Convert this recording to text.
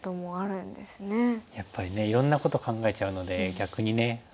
やっぱりねいろんなこと考えちゃうので逆にね。